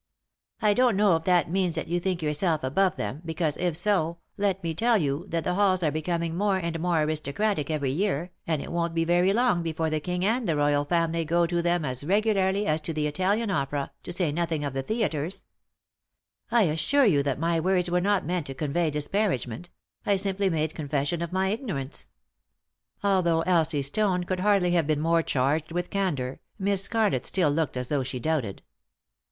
" I don't know if that means that you think your self above them, because, if so, let me tell you that the halls are becoming more and more aristocratic every year, and it won't be very long before the King and the 100 3i 9 iii^d by Google THE INTERRUPTED KISS Royal Family go to them as regularly as to the Italian Opera, to say nothing of the theatres." " I assure you that my words were not meant to convey disparagement ; I simply made confession of my ignorance." Although Elsie's tone could hardly have been more charged with candour, Miss Scarlett still looked as though she doubted.